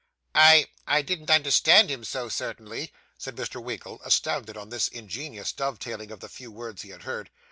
'I I didn't understand him so, certainly,' said Mr. Winkle, astounded on this ingenious dove tailing of the few words he had heard.